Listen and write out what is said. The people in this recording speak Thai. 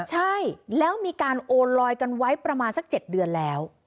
ใช่แล้วมีการโอนลอยกันไว้ประมาณสัก๗เดือนแล้ว